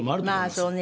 まあそうね。